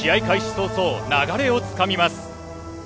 早々、流れをつかみます。